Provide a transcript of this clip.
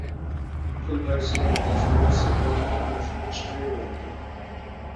پۇل بەرسىلا مەزمۇنى ساغلاممۇ ئەمەسمۇ چىقىرىۋېرىدۇ.